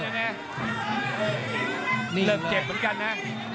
เลิกเก็บเหมือนกันนะ